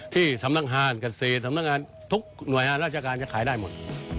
ที่สำนักงานเกษตรสำนักงานทุกหน่วยงานราชการจะขายได้หมด